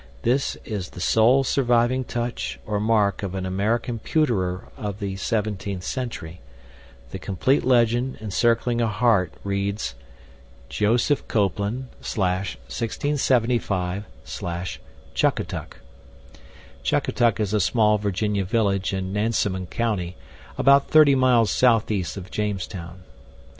This is the sole surviving "touch" or mark of an American pewterer of the 17th century. The complete legend, encircling a heart, reads: "IOSEPH COPELAND/1675/CHUCKATUCK." (Chuckatuck is a small Virginia village in Nansemond County, about 30 miles southeast of Jamestown.)